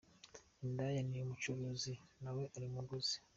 Indaya ni umucuruzi nawe uri umuguzi.